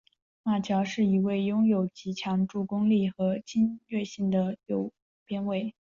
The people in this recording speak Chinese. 马乔是一位拥有极强助攻力和侵略性的右边卫。